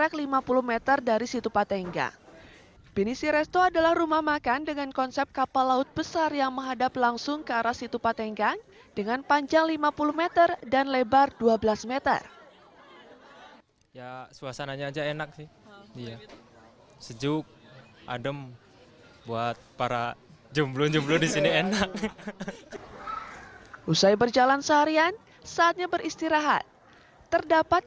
kisah cinta yang menegurkan kita